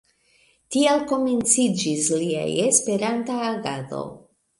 Tiel komenciĝis lia Esperanta agado.